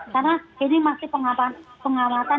karena ini masih pengawasan